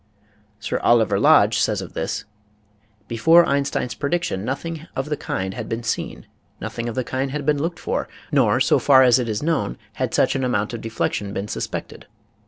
Sir Oliver Lodge says of this :*" Before Einstein's prediction nothing of the kind had been seen, nothing of the kind had been looked for, nor, so far as it is known, had such an amount of deflection been suspected.